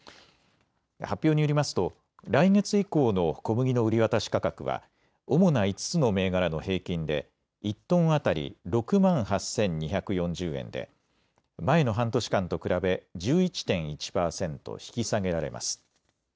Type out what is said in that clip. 発表によりますと来月以降の小麦の売り渡し価格は主な５つの銘柄の平均で１トン当たり６万８２４０円で前の半年間と比べ１１．１％引き下げられます。